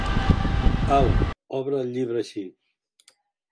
Au, obre el llibre així.